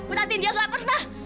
berarti dia gak pernah